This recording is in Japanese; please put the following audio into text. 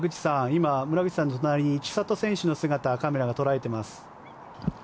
今、村口さんの隣に千怜選手の姿カメラが捉えています。